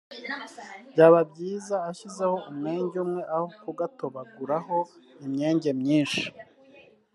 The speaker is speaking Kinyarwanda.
byaba byiza ashyizeho umwenge umwe aho kugatobaguraho imyenge myinshi